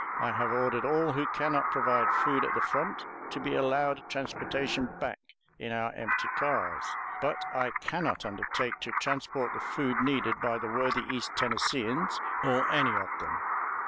I have ordered all who can not provide food at the front to be allowed transportation back in our empty cars; but I can not undertake to transport the food needed by the worthy East Tennesseeans or any of them.